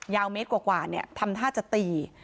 เมตรกว่าทำท่าจะตี